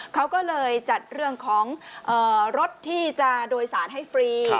เขาก็เลยจัดเรื่องของรถที่จะโดยสารให้ฟรี